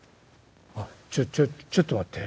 「あっちょちょちょっと待って」。